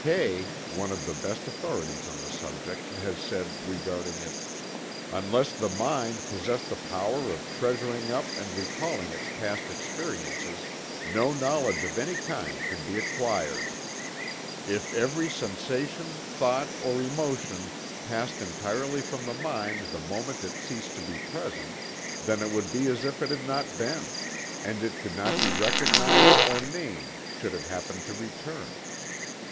Kay, one of the best authorities on the subject has said, regarding it: "Unless the mind possessed the power of treasuring up and recalling its past experiences, no knowledge of any kind could be acquired. If every sensation, thought, or emotion passed entirely from the mind the moment it ceased to be present, then it would be as if it had not been; and it could not be recognized or named should it happen to return.